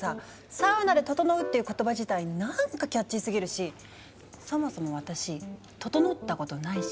「サウナでととのう」っていう言葉自体なんかキャッチーすぎるしそもそも私ととのったことないし。